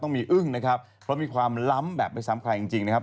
ต้องมีอึ้งนะครับเพราะมีความล้ำแบบไม่ซ้ำใครจริงนะครับ